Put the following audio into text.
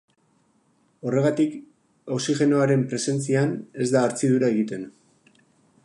Horregatik oxigenoaren presentzian ez da hartzidura egiten.